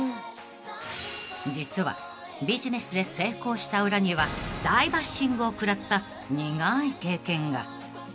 ［実はビジネスで成功した裏には大バッシングを食らった苦い経験が］